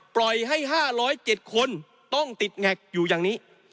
ปล่อยให้ห้าร้อยเจ็ดคนต้องติดแงกอยู่อย่างนี้